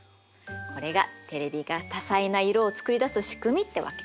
これがテレビが多彩な色を作り出す仕組みってわけ。